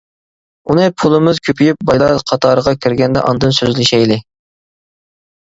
ئۇنى پۇلىمىز كۆپىيىپ بايلار قاتارىغا كىرگەندە ئاندىن سۆزلىشەيلى.